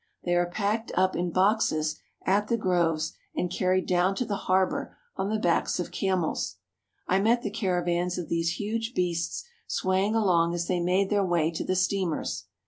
They are packed up in boxes at the groves and carried down to the harbour on the backs of camels. I met the caravans of these huge beasts swaying along as they made their way to the steamers.